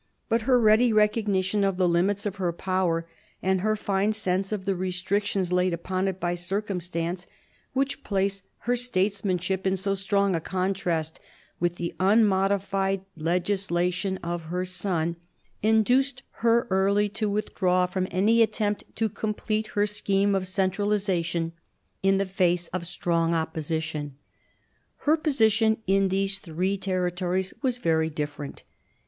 But her ready recognition of the / 78 MARIA THERESA chap, iv limits of her power, and her fine sense of the restrictions laid upon it by circumstance, which place her states \: manship in so strong a contrast with the unmodified ' J legislation of her son, induced her early to withdraw from any attempt to complete her scheme of centralisa tion in the face of strong opposition. Her position in these three territories was very different.